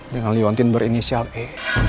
dengan liwatin berinisial e